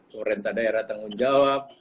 pemerintah daerah tanggung jawab